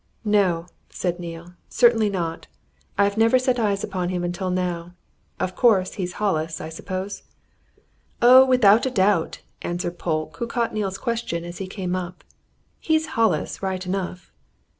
"No!" said Neale. "Certainly not! I've never set eyes on him until now. Of course, he's Hollis, I suppose?" "Oh, without doubt!" answered Polke, who caught Neale's question as he came up. "He's Hollis, right enough.